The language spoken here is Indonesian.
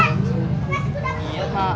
maaf pak kantip